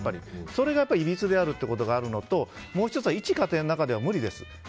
それがいびつであるということともう１つは一家庭の中では無理です。